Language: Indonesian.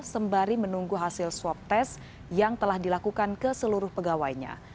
sembari menunggu hasil swab test yang telah dilakukan ke seluruh pegawainya